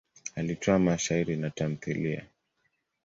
Alitoa mashairi na tamthiliya.